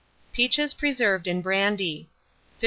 PEACHES PRESERVED IN BRANDY. 1573.